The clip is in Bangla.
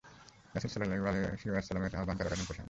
রাসূল সাল্লাল্লাহু আলাইহি ওয়াসাল্লাম এর আহ্বান কারো কানে পৌঁছে না।